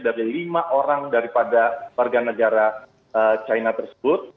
dari lima orang daripada warga negara china tersebut